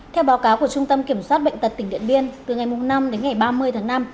theo báo cáo của trung tâm kiểm soát bệnh tật tỉnh điện biên từ ngày năm đến ngày ba mươi tháng năm